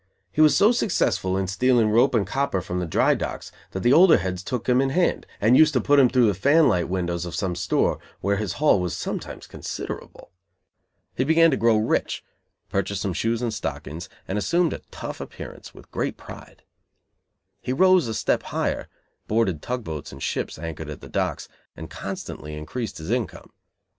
He was so successful in stealing rope and copper from the dry docks that the older heads took him in hand and used to put him through the "fan light" windows of some store, where his haul was sometimes considerable. He began to grow rich, purchased some shoes and stockings, and assumed a "tough" appearance, with great pride. He rose a step higher, boarded tug boats and ships anchored at the docks, and constantly increased his income.